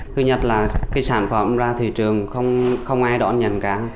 thứ nhất là cái sản phẩm ra thị trường không ai đón nhận cả